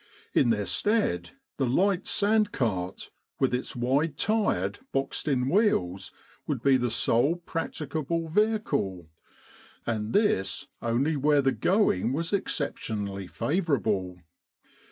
In their stead, the light sand cart, with its wide tyred, boxed in wheels, would be the sole practicable vehicle, and this only where 90 Kantara and Katia the going was exceptionally favourable.